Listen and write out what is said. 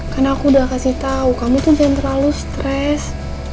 kan aku udah kasih tau kamu tuh jangan terlalu stres